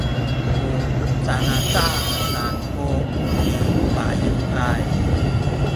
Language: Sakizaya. u canacanan ku i bayuay?